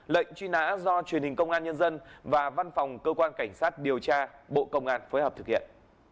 lệnh truy nã do truyền hình công an nhân dân và văn phòng cơ quan cảnh sát điều tra bộ công an phối hợp thực hiện